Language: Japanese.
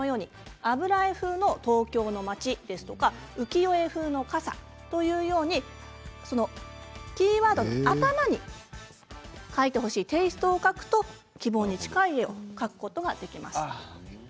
「油絵風の東京の街」や「浮世絵風の傘」というようにキーワードの頭に描いてほしいテーストを書くと希望に近い絵を描くことができます。